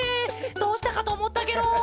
どうしたかとおもったケロ。